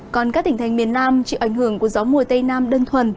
còn các tỉnh thành miền nam chịu ảnh hưởng của gió mùa tây nam đơn thuần